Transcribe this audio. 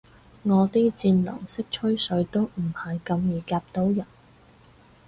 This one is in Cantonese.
我啲戰狼式吹水都唔係咁易夾到人